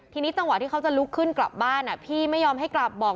ทีนี้จังหวะที่เขาจะลุกขึ้นกลับบ้านพี่ไม่ยอมให้กลับบอก